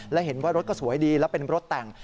และเห็นว่ารถก็สวยดีแล้วเป็นรถแต่ง